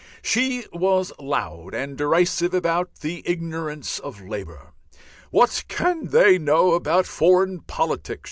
She was loud and derisive about the "ignorance" of Labour. "What can they know about foreign politics?"